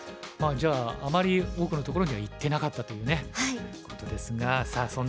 まあじゃああまり多くのところには行ってなかったというねことですがさあ